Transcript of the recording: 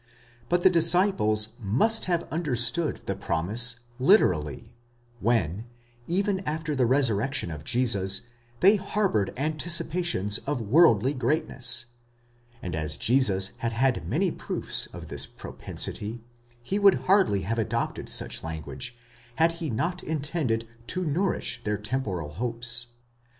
But the disciples must have understood the promise literally, when, even after the resurrection of Jesus, they harboured anticipations of worldly greatness; and as Jesus had had many proofs of this propensity, he would hardly have adopted such lan guage, had he not intended to nourish their temporal hopes.